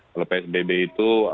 kalau psbb itu